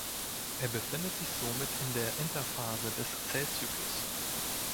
Er befindet sich somit in der Interphase des Zellzyklus.